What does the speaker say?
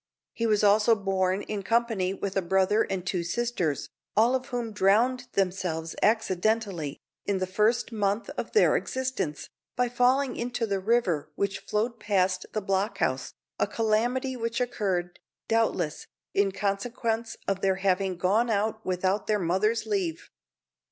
He was also born in company with a brother and two sisters, all of whom drowned themselves accidentally, in the first month of their existence, by falling into the river which flowed past the block house a calamity which occurred, doubtless, in consequence of their having gone out without their mother's leave.